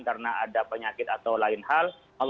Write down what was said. karena ada penyakit atau lain hal